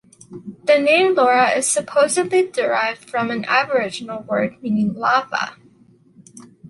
The name Leura is supposedly derived from an Aboriginal word meaning "lava".